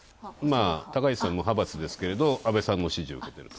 高市さん、無派閥ですけど安倍さんの指示を受けている。